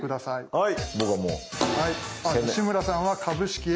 はい。